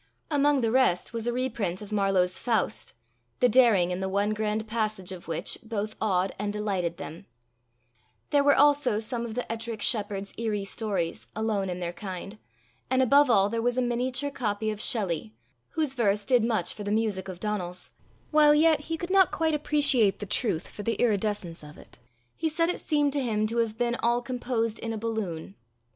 Among the rest was a reprint of Marlow's Faust, the daring in the one grand passage of which both awed and delighted them; there were also some of the Ettrick Shepherd's eerie stories, alone in their kind; and above all there was a miniature copy of Shelley, whose verse did much for the music of Donal's, while yet he could not quite appreciate the truth for the iridescence of it: he said it seemed to him to have been all composed in a balloon.